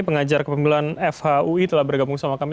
pengajar kepemiluan fhui telah bergabung sama kami